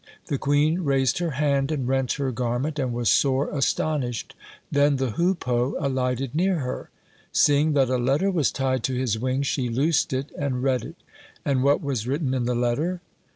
The queen raised her hand, and rent her garment, and was sore astonished. Then the hoopoe alighted near her. Seeing that a letter was tied to his wing, she loosed it and read it. And what was written in the letter?